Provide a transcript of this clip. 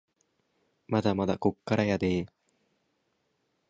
まだまだこっからやでぇ